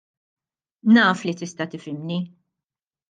Naf li tista' tifhimni!